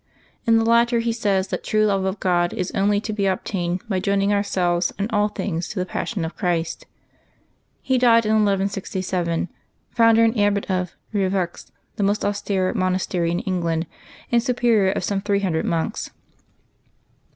In the latter he says that true love of God is only to be obtained by joining ourselves in all things to the Passion of Christ. He died in 1167, founder and Abbot of Eieveaux, the most austere monastery in England, and Superior of some three hun dred monks.